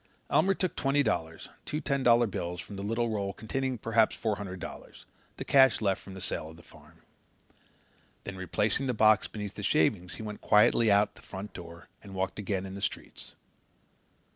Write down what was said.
Elmer took twenty dollars, two ten dollar bills, from the little roll containing perhaps four hundred dollars, the cash left from the sale of the farm. Then replacing the box beneath the shavings he went quietly out at the front door and walked again in the streets.